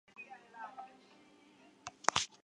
康奈尔大学计算机科学的一名教授。